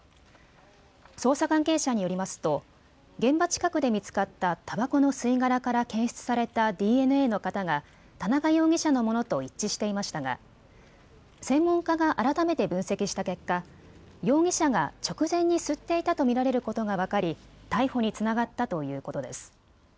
捜査関係者によりますと現場近くで見つかったたばこの吸い殻から検出されたＤＮＡの型が田中容疑者のものと一致していましたが専門家が改めて分析した結果、容疑者が直前に吸っていたと見られることが分かり逮捕につながったということです。